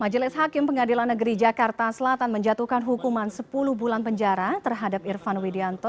majelis hakim pengadilan negeri jakarta selatan menjatuhkan hukuman sepuluh bulan penjara terhadap irfan widianto